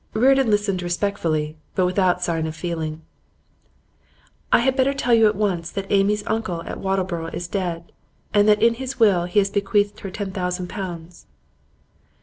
Reardon listened respectfully, but without sign of feeling. 'I had better tell you at once that Amy's uncle at Wattleborough is dead, and that in his will he has bequeathed her ten thousand pounds.